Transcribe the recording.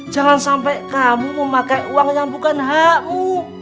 jangan sampai kamu memakai uang yang bukan hau